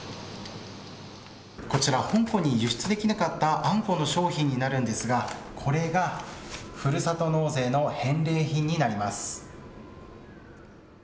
こちら、香港に輸出できなかったアンコウの商品になるんですがこれがふるさと納税の返礼品になります。